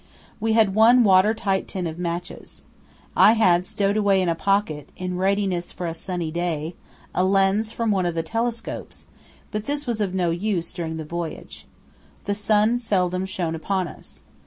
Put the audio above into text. We had one water tight tin of matches. I had stowed away in a pocket, in readiness for a sunny day, a lens from one of the telescopes, but this was of no use during the voyage. The sun seldom shone upon us.